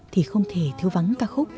thì không thể thiếu vắng ca khúc